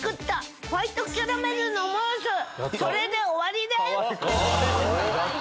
それで終わりですっ！